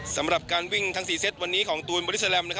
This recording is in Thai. สำหรับการวิ่งทั้ง๔เซตวันนี้ของตูนบริสแลม